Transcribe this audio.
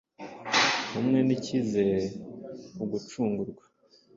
Hamwe n'icyizere ni ugucungurwa,